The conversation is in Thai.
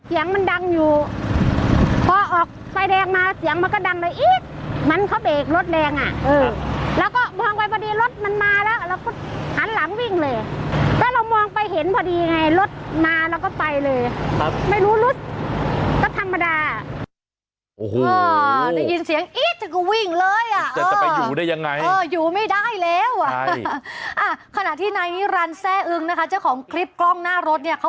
สีดังแคล้วสีดังแคล้วสีดังแคล้วสีดังแคล้วสีดังแคล้วสีดังแคล้วสีดังแคล้วสีดังแคล้วสีดังแคล้วสีดังแคล้วสีดังแคล้วสีดังแคล้วสีดังแคล้วสีดังแคล้วสีดังแคล้วสีดังแคล้วสีดังแคล้วสีดังแคล้วสีดัง